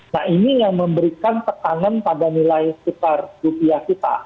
nah ini yang memberikan tekanan pada nilai tukar rupiah kita